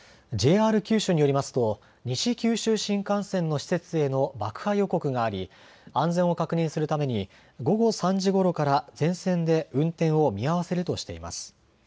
ＪＲ九州によりますと西九州新幹線の施設への爆破予告があり安全を確認するために午後３時ごろから全線で運転を見合わせるとしています。